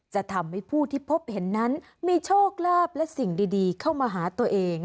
จะทำให้ผู้ที่พบเห็นนั้นมีโชคลาภและสิ่งดีเข้ามาหาตัวเอง